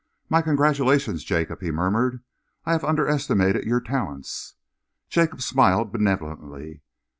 "My congratulations, Jacob," he murmured. "I have underestimated your talents." Jacob smiled benevolently.